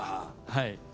はい。